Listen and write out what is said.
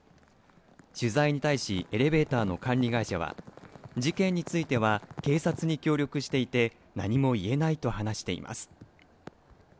取材に対し、エレベーターの管理会社は、事件については警察に協力していて、何も言えないと話しています。